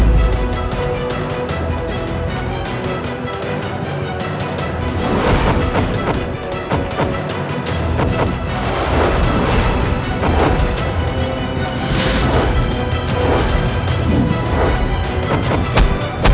paman akan bersamanya nanti di sana